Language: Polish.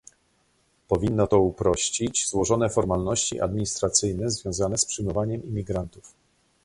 Powinno to uprościć złożone formalności administracyjne związane z przyjmowaniem imigrantów